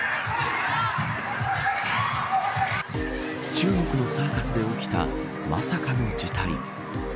中国のサーカスで起きたまさかの事態。